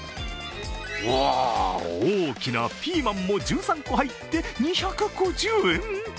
わあ、大きなピーマンも１３個入って、２５０円！